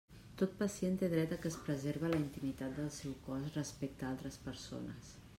Tot pacient té dret que es preserve la intimitat del seu cos respecte a altres persones.